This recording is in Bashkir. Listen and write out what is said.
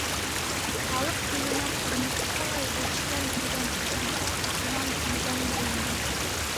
Халыҡ теленә «Ҡырмыҫҡалай эшсән» тигән төшөнсә ошонан килгән дә инде.